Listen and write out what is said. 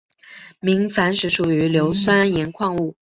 明矾石属于硫酸盐矿物。